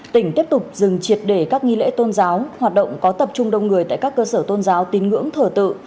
tỉnh tiếp tục dừng triệt để các nghi lễ tôn giáo hoạt động có tập trung đông người tại các cơ sở tôn giáo tín ngưỡng thờ tự